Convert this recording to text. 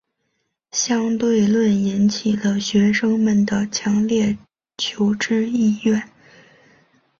相对论引起了学生们的强烈求知意愿。